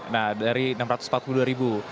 nah dari enam ratus empat puluh dua ribu